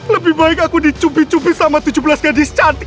lebih baik aku dicubit cupi sama tujuh belas gadis cantik